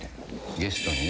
ゲストにね。